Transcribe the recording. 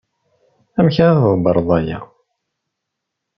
Amek ara d-tḍebbreḍ aya?